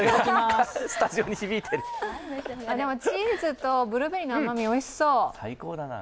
チーズとブルーベリーの甘み、おいしそう。